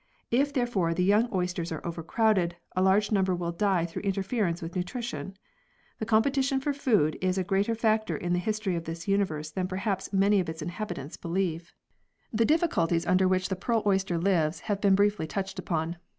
If therefore the young oysters are overcrowded, a large number will die through interference with nutrition. The competition for food is a greater factor in the history of this universe than perhaps many of its inhabitants believe ! 4 o 52 PEARLS [CH. The difficulties under which the pearl oyster lives have been briefly touched upon.